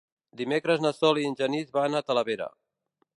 Dimecres na Sol i en Genís van a Talavera.